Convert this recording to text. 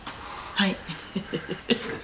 はい。